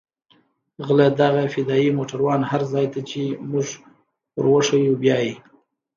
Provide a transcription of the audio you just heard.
غله دغه فدايي موټران هر ځاى ته چې موږ وروښيو بيايي.